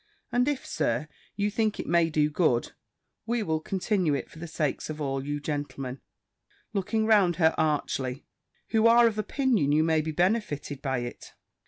"And if, Sir, you think it may do good, we will continue it for the sakes of all you gentlemen" (looking round her archly), "who are of opinion you may be benefited by it."